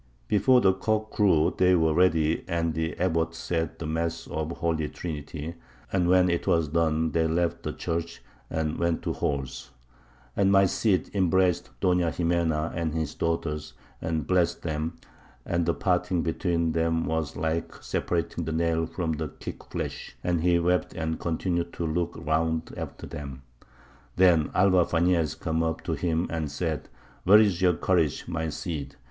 Before the cock crew they were ready, and the Abbot said the mass of the Holy Trinity, and when it was done they left the church and went to horse. And my Cid embraced Doña Ximena and his daughters, and blessed them; and the parting between them was like separating the nail from the quick flesh: and he wept and continued to look round after them. Then Alvar Fañez came up to him and said, Where is your courage, my Cid?